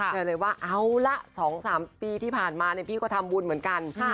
เลยว่าเอาละ๒๓ปีที่ผ่านมาพี่ก็ทำบุญเหมือนกัน